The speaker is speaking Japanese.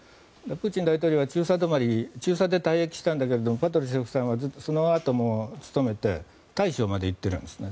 プーチン大統領は中佐で退役したんだけどパトルシェフさんはそのあとも務めて大将まで行っているんですね。